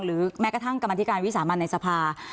แม้กระทั่งกรรมธิการวิสามันในสภา